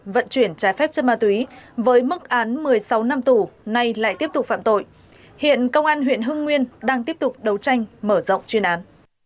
vận chuyển trái phép chất ma túy với mức án một mươi sáu năm tù nay lại tiếp tục phạm tội hiện công an huyện hưng nguyên đang tiếp tục đấu tranh mở rộng chuyên án